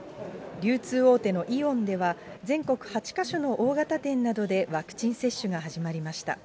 流通大手のイオンでは、全国８か所の大型店などでワクチン接種が始まりました。